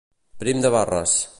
Prim de barres.